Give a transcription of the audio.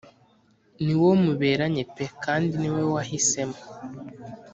ni wo muberanye pe kandi niwe wahisemo